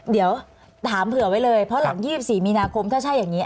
เดี๋ยวถามเผื่อไว้เลยเพราะหลัง๒๔มีนาคมถ้าใช่อย่างนี้